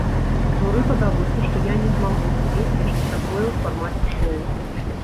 Журы падалося, што я не змагу спець нешта такое ў фармаце шоў.